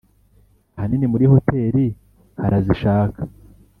Ahanini muri hoteri harazishaka;